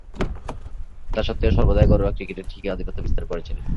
তাসত্ত্বেও, সর্বদাই ঘরোয়া ক্রিকেটে ঠিকই আধিপত্য বিস্তার করেছিলেন।